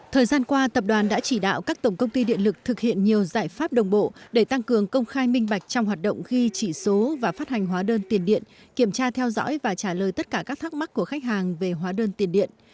thời gian qua tập đoàn đã chỉ đạo các tổng công ty điện lực thực hiện nhiều giải pháp đồng bộ để tăng cường công khai minh bạch trong hoạt động ghi chỉ số và phát hành hóa đơn tiền điện kiểm tra theo dõi và trả lời tất cả các thắc mắc của khách hàng về hóa đơn tiền điện